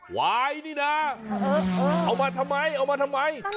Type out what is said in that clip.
ควายนี่นะเอามาทำไมเอามาทำไมเอามาทำไม